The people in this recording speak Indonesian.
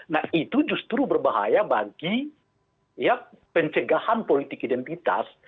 nah itu justru berbahaya bagi pencegahan politik identitas